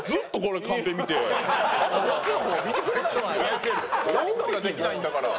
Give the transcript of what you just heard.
やり取りができないんだから。